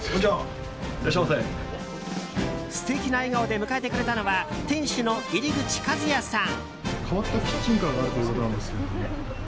素敵な笑顔で迎えてくれたのは店主の射り口和八さん。